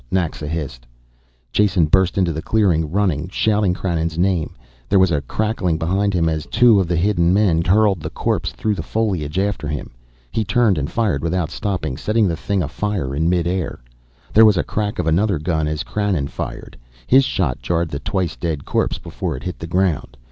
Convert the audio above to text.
Naxa hissed. Jason burst into the clearing, running, shouting Krannon's name. There was a crackling behind him as two of the hidden men hurled the corpse through the foliage after him. He turned and fired without stopping, setting the thing afire in midair. There was the crack of another gun as Krannon fired, his shot jarred the twice dead corpse before it hit the ground.